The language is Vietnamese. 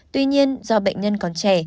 tuy nhiên do bệnh nhân còn trẻ